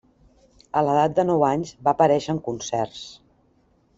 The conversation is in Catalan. A l'edat de nou anys va aparèixer en concerts.